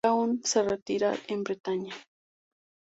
Craon se retira en Bretaña.